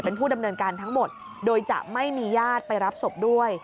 เป็นผู้ดำเนินการทั้งหมดโดยจะไม่มีญาติไปรับศพด้วย